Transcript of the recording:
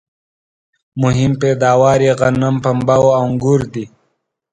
مهم پیداوار یې غنم ، پنبه او انګور دي